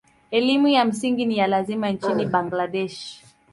Elimu ya msingi ni ya lazima nchini Bangladesh.